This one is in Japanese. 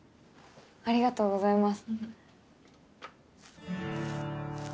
ありがとうございます。